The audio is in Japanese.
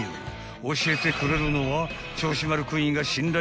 ［教えてくれるのは］